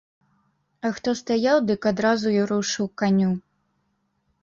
А хто стаяў, дык адразу й рушыў к каню.